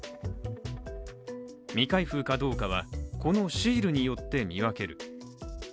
未開封かどうかはこのシールによって、見分ける。